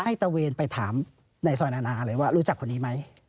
ตะเวนไปถามในซอยนานาเลยว่ารู้จักคนนี้ไหม